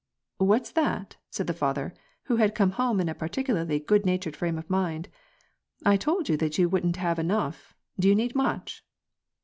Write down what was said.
" What's that ?" said the father, who had come home in a peculiarly good natured frame of mind. " I told you that you wouldn't have enough. Do you need much